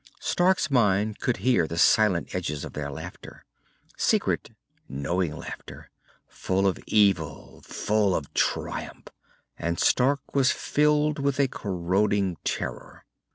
Stark's mind could hear the silent edges of their laughter. Secret, knowing laughter, full of evil, full of triumph, and Stark was filled with a corroding terror.